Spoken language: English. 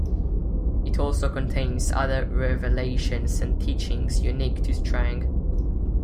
It also contains other revelations and teachings unique to Strang.